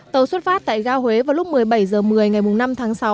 tàu xuất phát tại ga huế vào lúc một mươi bảy h một mươi ngày năm tháng sáu